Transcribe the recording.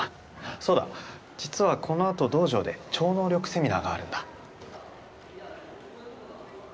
そうだ実はこの後道場で超能力セミナーがあるんだ。